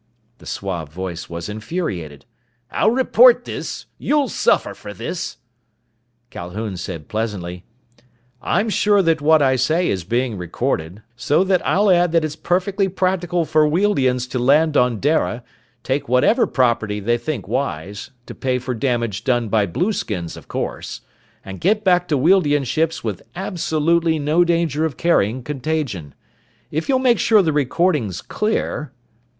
The suave voice was infuriated: "I'll report this! You'll suffer for this!" Calhoun said pleasantly, "I'm sure that what I say is being recorded, so that I'll add that it's perfectly practical for Wealdians to land on Dara, take whatever property they think wise to pay for damage done by blueskins, of course and get back to Wealdian ships with absolutely no danger of carrying contagion. If you'll make sure the recording's clear...."